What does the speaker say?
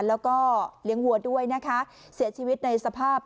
แล้วก็เลี้ยงวัวด้วยนะคะเสียชีวิตในสภาพ